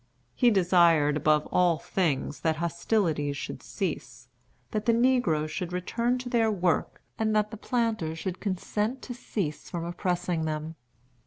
He desired, above all things, that hostilities should cease, that the negroes should return to their work, and that the planters should consent to cease from oppressing them.